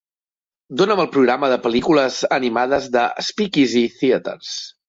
Dóna'm el programa de pel·lícules animades a Speakeasy Theaters